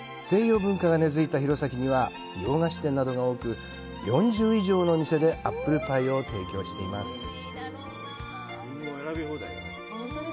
西洋文化が根づいた弘前には洋菓子店などが多く、４０以上のお店でアップルパイを提供しています。